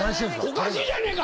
おかしいじゃねぇか！